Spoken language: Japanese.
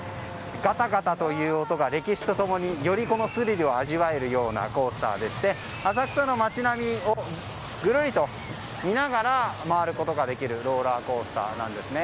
ガタガタという音が歴史と共に、よりスリルを味わえるようなコースターでして浅草の街並みをぐるりと見ながら回ることができるローラーコースターなんですね。